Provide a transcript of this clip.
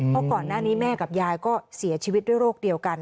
เพราะก่อนหน้านี้แม่กับยายก็เสียชีวิตด้วยโรคเดียวกัน